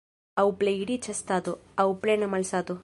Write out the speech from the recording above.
Aŭ plej riĉa stato, aŭ plena malsato.